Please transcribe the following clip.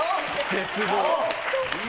絶望。